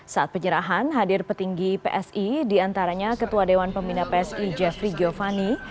saat penyerahan hadir petinggi psi diantaranya ketua dewan pembina psi jeffrey giovani